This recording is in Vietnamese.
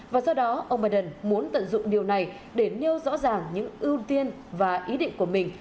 và do đó ông biden muốn tận dụng điều này để nêu rõ rằng những ưu tiên và ý định của mình